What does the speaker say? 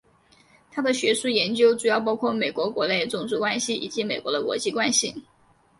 他的学术研究主要包括美国国内种族关系以及美国的国际关系。